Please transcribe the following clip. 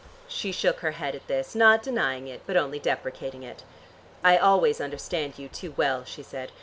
She shook her head at this, not denying it, but only deprecating it. "I always understand you too well," she said.